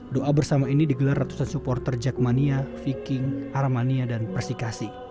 doa bersama ini digelar ratusan supporter jackmania viking armania dan persikasi